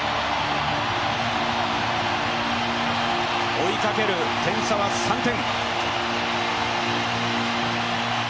追いかける点差は３点。